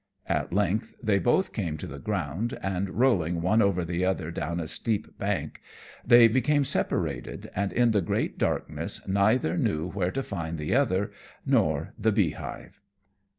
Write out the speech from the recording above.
At length they both came to the ground, and, rolling one over the other down a steep bank, they became separated, and in the great darkness neither knew where to find the other nor the beehive.